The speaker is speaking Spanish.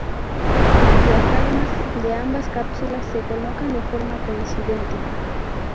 Los diafragmas de ambas cápsulas se colocan de forma coincidente.